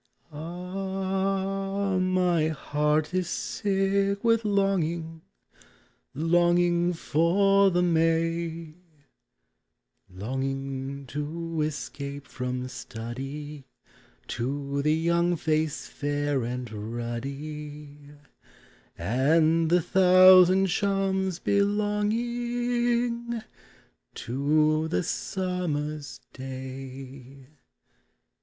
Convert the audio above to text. Ah! my heart is sick with longing, Longing for the May, — Longing to escape from study To the young face fail* and ruddy, And the thousand charms belonging To the summer's day.